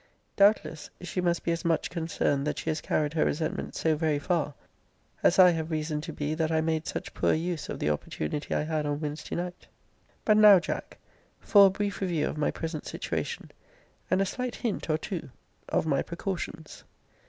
Doubtless she must be as much concerned that she has carried her resentments so very far, as I have reason to be that I made such poor use of the opportunity I had on Wednesday night. But now, Jack, for a brief review of my present situation; and a slight hint or two of my precautions.